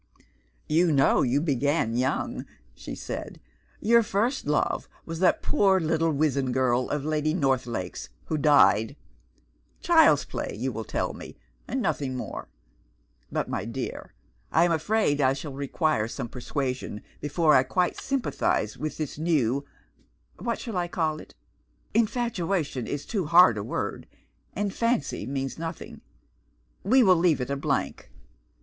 "You know you began young," she said; "your first love was that poor little wizen girl of Lady Northlake's who died. Child's play, you will tell me, and nothing more. But, my dear, I am afraid I shall require some persuasion, before I quite sympathize with this new what shall I call it? infatuation is too hard a word, and 'fancy' means nothing. We will leave it a blank.